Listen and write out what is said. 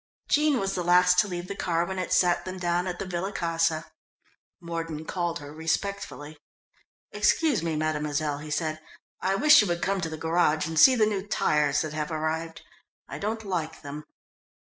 Jean was the last to leave the car when it set them down at the Villa Casa. Mordon called her respectfully. "Excuse me, mademoiselle," he said, "I wish you would come to the garage and see the new tyres that have arrived. I don't like them."